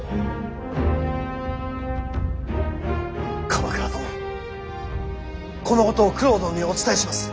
鎌倉殿このことを九郎殿にお伝えします。